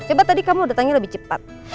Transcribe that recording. coba tadi kamu datangnya lebih cepat